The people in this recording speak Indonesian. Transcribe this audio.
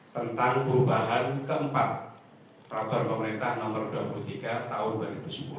tentang perubahan keempat peraturan pemerintah nomor dua puluh tiga tahun dua ribu sepuluh